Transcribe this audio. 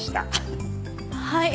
はい。